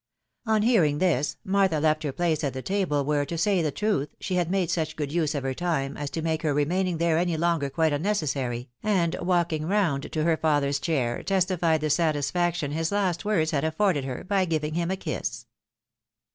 On hearing this, Martha left her place at the table, where, to say truth, she had made such good use of her time, as to make her remaining there any longer quite unnecessary, and walking round to her father's chair, testified the satisfaction his last words had afforded her, by giving him a kiss.